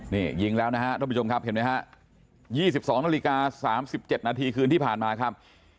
นี่ยิงแล้วนะครับคุณผู้ชมครับ๒๒น๓๗นาทีคืนที่ผ่านมาครับ